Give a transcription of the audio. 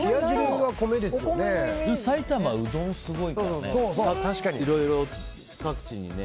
埼玉、うどんがすごいからねいろいろ各地にね。